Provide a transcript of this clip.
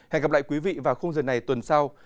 hẹn gặp lại quý vị vào khung giờ này tuần sau